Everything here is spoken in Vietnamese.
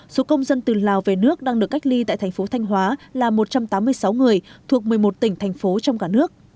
số công dân từ lào về nước đang được cách ly tại thành phố thanh hóa là một trăm tám mươi sáu người thuộc một mươi một tỉnh thành phố trong cả nước